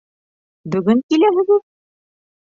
Бөгөн киләһегеҙ?